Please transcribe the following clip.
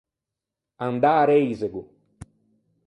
Andâ à reisego.